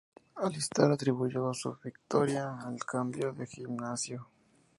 Alistair atribuyó su victoria al cambio de gimnasio.